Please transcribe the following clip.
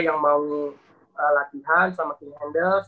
yang mau latihan sama king handels